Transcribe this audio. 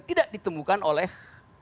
tidak ditemukan oleh